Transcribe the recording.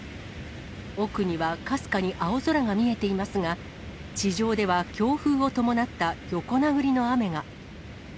奥にはかすかに青空が見えていますが、地上では強風を伴った横殴りの雨が。